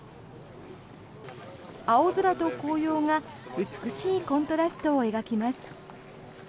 青空と紅葉が美しいコントラストを描きます。